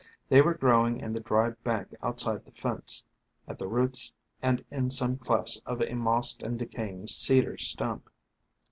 They were grow ing in the dry bank outside the fence, at the roots and in some clefts of a mossed and decaying cedar stump.